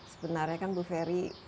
sebenarnya kan bu ferry